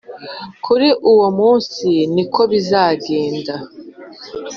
Kuri uwo munsi ni ko bizagenda